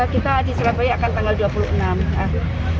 kita di surabaya akan tanggal dua puluh enam april